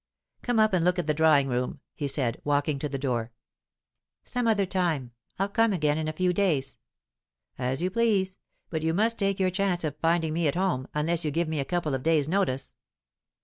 "Come up and look at the drawing room," he said, walking to the door. "Some other time. I'll come again in a few days." "As you please. But you must take your chance of finding me at home, unless you give me a couple of days' notice."